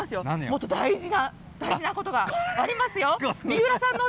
もっと大事な大事なことがありますよ！